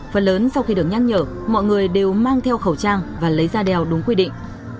phần lớn sau khi được nhắc nhở mọi người đều mang theo khẩu trang và lấy ra đèo đúng quy định